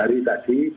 lima hari tadi